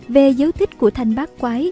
về dấu tích của thanh bác quái